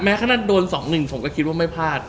ขนาดโดน๒๑ผมก็คิดว่าไม่พลาด